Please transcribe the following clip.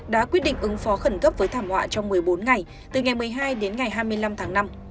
đã quyết định ứng phó khẩn cấp với thảm họa trong một mươi bốn ngày từ ngày một mươi hai đến ngày hai mươi năm tháng năm